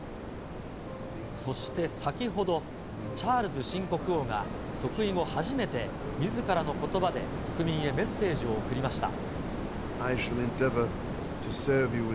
そして、先ほど、チャールズ新国王が即位後初めて、みずからのことばで国民へメッセージを送りました。